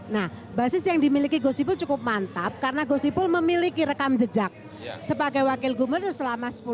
nah basis yang dimiliki gus ipul cukup mantap karena gus ipul memiliki rekam jejak sebagai wakil gubernur selama sepuluh tahun